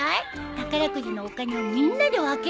宝くじのお金をみんなで分けるんだよ。